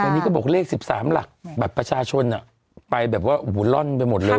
วันนี้ก็บอกเลข๑๓หลักบัตรประชาชนไปแบบว่าล่อนไปหมดเลย